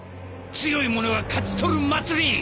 強い者が勝ち取る祭り！